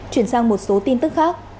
chuyển sang một số tin tức khác